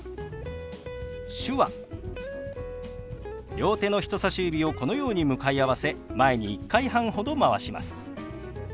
両手の人さし指をこのように向かい合わせ前に１回半ほどまわします。